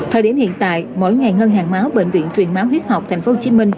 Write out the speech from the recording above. thời điểm hiện tại mỗi ngày ngân hàng máu bệnh viện truyền máu huyết học tp hcm